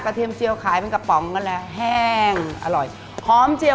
เทียมเจียวขายเป็นกระป๋องกันเลยแห้งอร่อยหอมเจียว